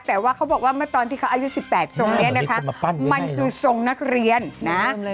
แต่ว่าเขาบอกว่าเมื่อตอนที่เขาอายุ๑๘ทรงนี้นะคะมันคือทรงนักเรียนนะ